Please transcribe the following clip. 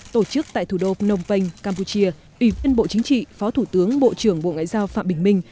tổ chức tại thủ đô phnom penh campuchia ủy viên bộ chính trị phó thủ tướng bộ trưởng bộ ngoại giao phạm bình minh